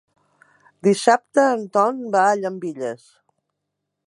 Dissabte en Ton va a Llambilles.